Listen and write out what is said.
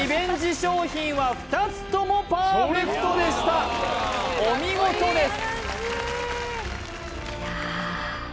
商品は２つともパーフェクトでしたお見事です！